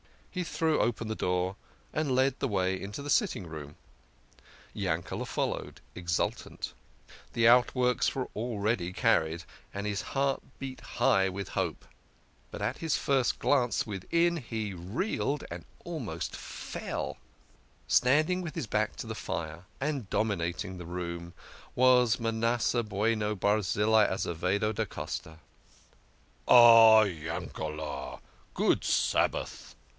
He threw open the door, and led the way into the sitting room. 90 THE KING OF SCHNORRERS. Yankele" followed, exultant ; the outworks were already carried, and his heart beat high with hope. But at his first glance within, he reeled and almost fell. Standing with his back to the fire and dominating the room was Manasseh Bueno Barzillai Azevedo da Costa ! "Ah, Yankele", good Sabbath